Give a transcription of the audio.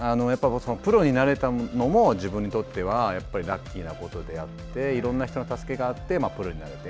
プロになれたのも自分にとってはラッキーなことであっていろんな人の助けがあってプロになれて。